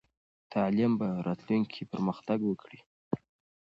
تعلیم به راتلونکې کې پرمختګ وکړي.